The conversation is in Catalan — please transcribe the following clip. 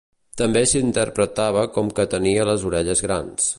També s'interpretava com que tenia les orelles grans.